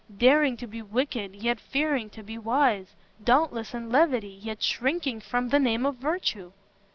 daring to be wicked, yet fearing to be wise; dauntless in levity, yet shrinking from the name of virtue!"